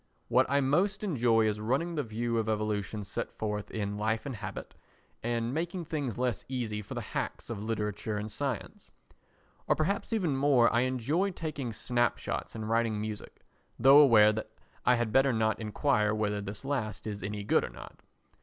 What I most enjoy is running the view of evolution set forth in Life and Habit and making things less easy for the hacks of literature and science; or perhaps even more I enjoy taking snapshots and writing music, though aware that I had better not enquire whether this last is any good or not.